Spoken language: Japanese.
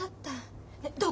どう？